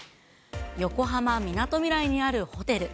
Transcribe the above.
横浜・みなとみらいにあるホテル。